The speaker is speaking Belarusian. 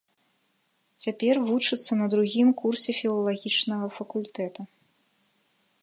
Цяпер вучыцца на другім курсе філалагічнага факультэта.